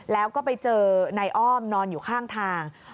แล้วก็ไปเจอนายอ้อมนอนอยู่ข้างทาง